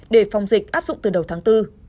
để phòng dịch áp dụng từ đầu tháng bốn